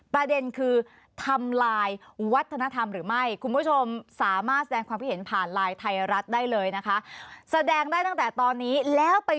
ประเด็นคือทำลายวัฒนธรรมหรือไม่